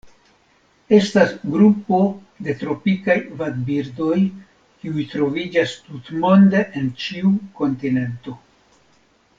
Estas grupo de tropikaj vadbirdoj kiuj troviĝas tutmonde en ĉiu kontinento.